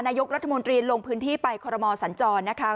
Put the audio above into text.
นายกรัฐมนตรีลงพื้นที่ไปคอรมอสัญจรนะคะ